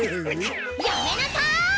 やめなさい！